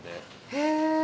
へぇ。